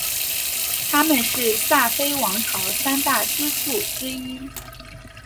他们是萨非王朝三大支柱之一。